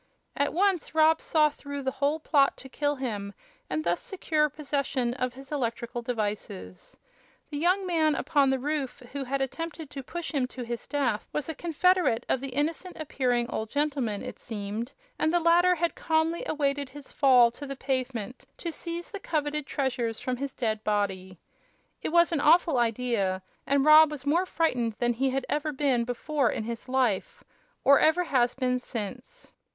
At once Rob saw through the whole plot to kill him and thus secure possession of his electrical devices. The young man upon the roof who had attempted to push him to his death was a confederate of the innocent appearing old gentleman, it seemed, and the latter had calmly awaited his fall to the pavement to seize the coveted treasures from his dead body. It was an awful idea, and Rob was more frightened than he had ever been before in his life or ever has been since.